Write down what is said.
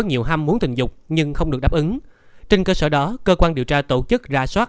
nhiều ham muốn tình dục nhưng không được đáp ứng trên cơ sở đó cơ quan điều tra tổ chức ra soát